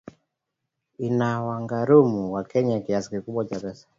na inawagharimu wakenya kiasi kikubwa cha pesa